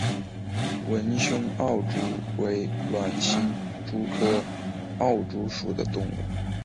纹胸奥蛛为卵形蛛科奥蛛属的动物。